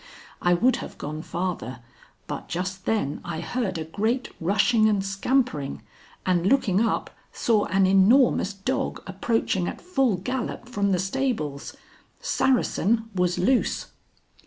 I would have gone farther, but just then I heard a great rushing and scampering, and, looking up, saw an enormous dog approaching at full gallop from the stables. Saracen was loose.